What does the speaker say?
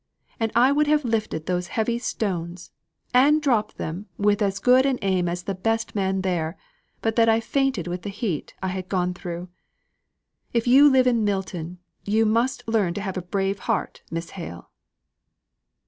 And I would have lifted those heavy stones, and dropped them with as good an aim as the best man there, but that I fainted with the heat I had gone through. If you live in Milton, you must learn to have a brave heart, Miss Hale."